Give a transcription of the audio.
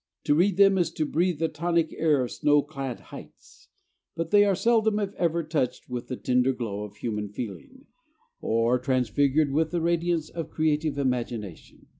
To read them is to breathe the tonic air of snow clad heights; but they are seldom if ever touched with the tender glow of human feeling or transfigured with the radiance of creative imagination.